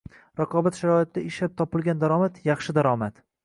Raqobat sharoitida ishlab topilgan daromad – yaxshi daromad.